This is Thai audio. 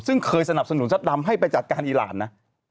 ซึ่งเคยสนับสนุนซัดดำให้ไปจัดการอีรานนะ